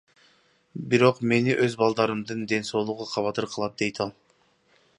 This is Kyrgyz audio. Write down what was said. Бирок мени өз балдарымдын ден соолугу кабатыр кылат, — дейт ал.